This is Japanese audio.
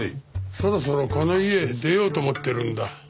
そろそろこの家出ようと思ってるんだ。